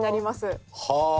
はあ。